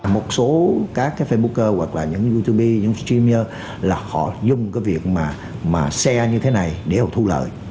một số các facebooker hoặc là những youtuber những streamer là họ dùng cái việc mà share như thế này để họ thu lợi